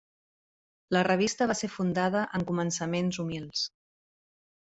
La revista va ser fundada en començaments humils.